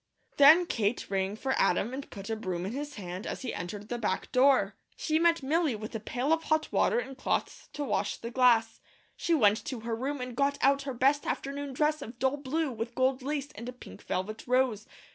Then Kate rang for Adam and put a broom in his hand as he entered the back door. She met Milly with a pail of hot water and cloths to wash the glass. She went to her room and got out her best afternoon dress of dull blue with gold lace and a pink velvet rose.